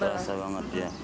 berasa banget ya